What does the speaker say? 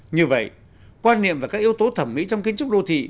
như vậy quan niệm và các yếu tố thẩm mỹ trong kiến trúc đô thị